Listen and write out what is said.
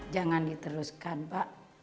jangan diteruskan pak